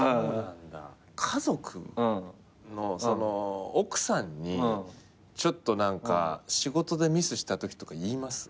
家族のそのう奥さんにちょっと何か仕事でミスしたときとか言います？